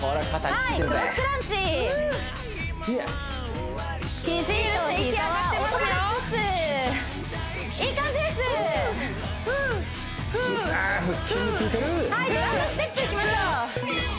はいドラムステップいきましょう！